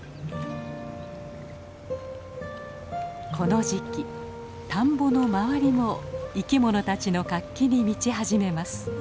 この時期田んぼの周りも生きものたちの活気に満ち始めます。